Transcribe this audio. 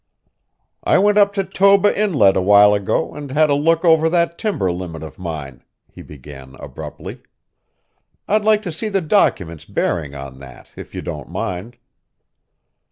"I went up to Toba Inlet awhile ago and had a look over that timber limit of mine," he began abruptly. "I'd like to see the documents bearing on that, if you don't mind."